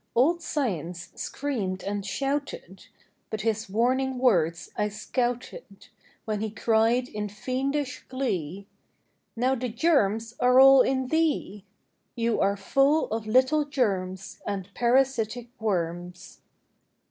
Old Science screamed and shouted, But his warning words I scouted When he cried in fiendish glee: " Now the germs are all in thee; You are full of little germs And parasitic worms."